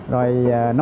rồi nó mới